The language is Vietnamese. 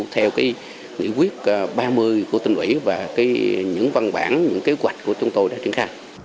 theo nghị quyết ba mươi của tỉnh ủy và những văn bản những kế hoạch của chúng tôi đã triển khai